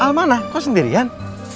al mana kau sendirian